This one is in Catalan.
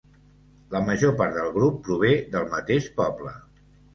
La major part del grup prové del mateix poble.